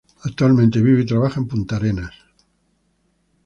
Actualmente vive y trabaja en Punta Arenas.